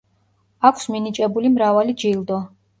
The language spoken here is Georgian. აქვს მინიჭებული მრავალი ჯილდო.